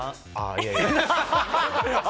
いやいや。